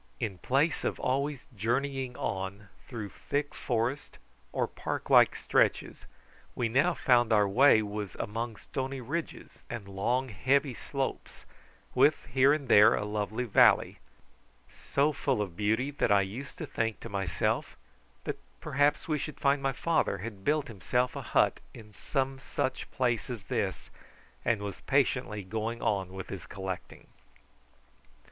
In place of always journeying on through thick forest or park like stretches, we now found our way was among stony ridges and long heavy slopes, with here and there a lovely valley, so full of beauty that I used to think to myself that perhaps we should find my father had built himself a hut in some such place as this, and was patiently going on with his collecting.